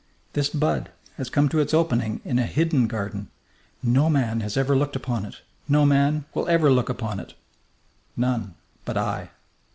This bud has come to its opening in a hidden garden; no man has ever looked upon it; no man will ever look upon it. None but I."